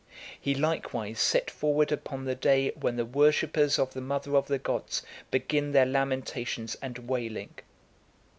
He likewise set forward upon the day when the worshippers of the Mother of the gods begin their lamentations and wailing.